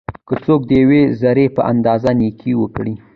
که څوک د یوې ذري په اندازه نيکي وکړي؛